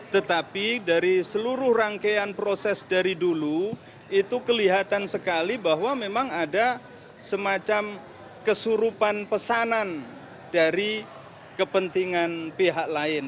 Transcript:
tetapi dari seluruh rangkaian proses dari dulu itu kelihatan sekali bahwa memang ada semacam kesurupan pesanan dari kepentingan pihak lain